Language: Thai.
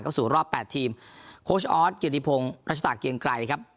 เข้าสู่รอบแปดทีมโค้ชออสเกียรติพงศ์รัชตาเกียงไกรครับ